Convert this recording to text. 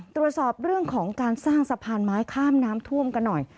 ตรวจสอบเรื่องของการสร้างสะพานไม้ข้ามน้ำท่วมกันหน่อย